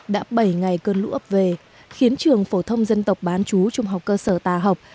đã bảy ngày cơn lũ ấp về khiến trường phổ thông dân tộc bán chú trung học cơ sở tà học